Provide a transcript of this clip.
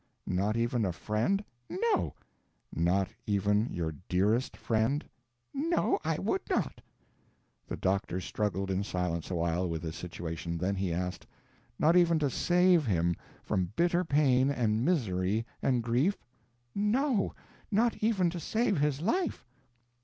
"Not even a friend?" "No." "Not even your dearest friend?" "No. I would not." The doctor struggled in silence awhile with this situation; then he asked: "Not even to save him from bitter pain and misery and grief?" "No. Not even to save his life."